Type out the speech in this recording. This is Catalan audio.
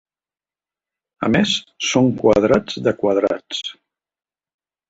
A més, són quadrats de quadrats.